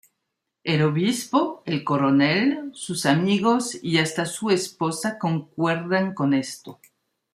El obispo, el coronel, sus amigos y hasta su esposa concuerdan con esto.